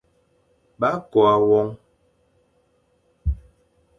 Ba kôa won.